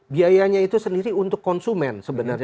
biayanya itu sendiri untuk konsumen sebenarnya